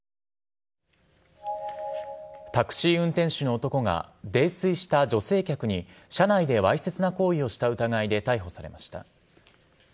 タクシー運転手の男が泥酔した女性客に車内でわいせつな行為をした疑いで逮捕されました。